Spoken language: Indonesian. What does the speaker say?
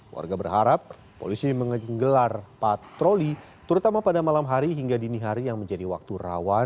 warga berharap polisi menggelar patroli terutama pada malam hari hingga dini hari yang menjadi waktu rawan